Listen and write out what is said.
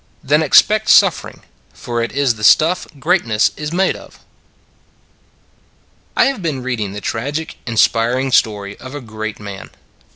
THEN EXPECT SUFFERING: FOR IT IS THE STUFF GREATNESS IS MADE OF I HAVE been reading the tragic, inspir ing story of a great man.